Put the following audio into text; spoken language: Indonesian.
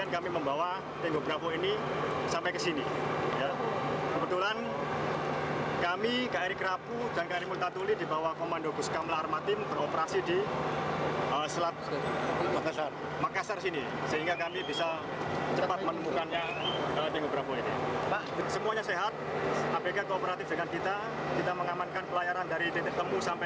kita mengamankan pelayaran dari ditemu sampai ke balikpapan dengan kooperatif